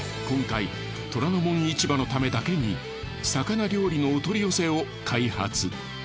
今回『虎ノ門市場』のためだけに魚料理のお取り寄せを開発。